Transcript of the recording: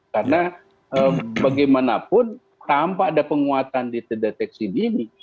karena bagaimanapun tanpa ada penguatan di terdeteksi dini